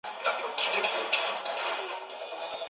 包含了完美的一切技术细节